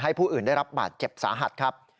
ผู้อื่นได้รับบาดเจ็บสาหัสครับ